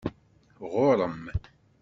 Ɣuṛ-m.